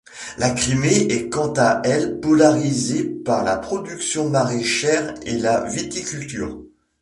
La Crimée est quant à elle polarisée par la production maraichère et la viticulture.